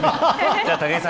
じゃあ武井さん